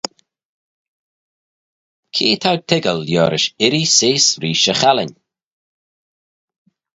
Cre t'ou toiggal liorish irree seose reesht y challin?